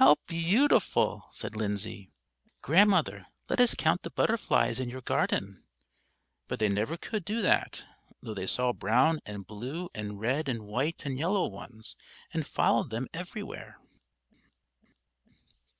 "How beautiful!" said Lindsay. "Grandmother, let us count the butterflies in your garden." But they never could do that, though they saw brown and blue and red and white and yellow ones, and followed them everywhere.